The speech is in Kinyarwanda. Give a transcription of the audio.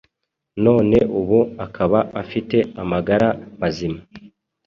none ubu akaba afite amagara mazima,